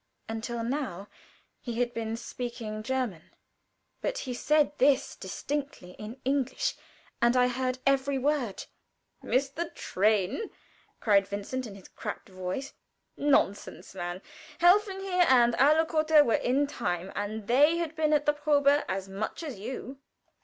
Until now he had been speaking German, but he said this distinctly in English and I heard every word. "Missed the train?" cried Vincent in his cracked voice. "Nonsense, man! Helfen, here, and Alekotte were in time and they had been at the probe as much as you."